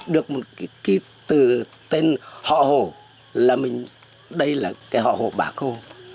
được một cái từ tên họ hồ là mình đây là cái họ hồ bác hồ